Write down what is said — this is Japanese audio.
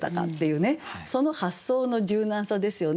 その発想の柔軟さですよね。